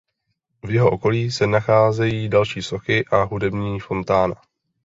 V jeho okolí se nacházejí další sochy a hudební fontána.